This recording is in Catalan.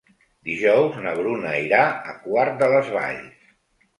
Dijous na Bruna irà a Quart de les Valls.